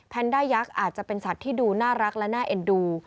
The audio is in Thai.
แนนด้ายักษ์อาจจะเป็นสัตว์ที่ดูน่ารักและน่าเอ็นดู